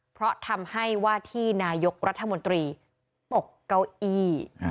เพราะทำให้ว่าที่นายกรัฐมนตรีตกเก้าอี้